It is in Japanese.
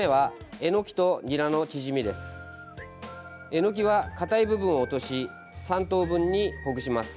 えのきは、かたい部分を落とし３等分にほぐします。